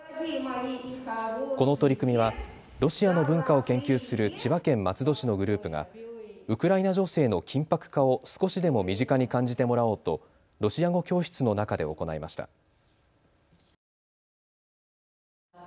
この取り組みはロシアの文化を研究する千葉県松戸市のグループがウクライナ情勢の緊迫化を少しでも身近に感じてもらおうとロシア語教室の中で行いました。